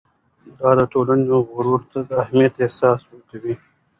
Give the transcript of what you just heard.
دا د ټولنې غړو ته د اهمیت احساس ورکوي.